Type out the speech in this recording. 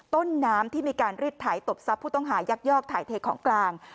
ต้นน้ำที่มีการรีดไถตบทรัพย์ผู้ต้องหายักยอกถ่ายเทของกลาง